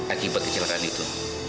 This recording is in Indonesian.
akibat kecelakaan itu